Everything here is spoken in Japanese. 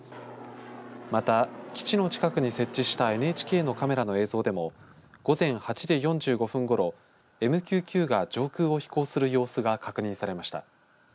また、基地の近くに設置したＮＨＫのカメラの映像でも午前８時４５分ごろＭＱ９が上空を飛行する様子が確認されました。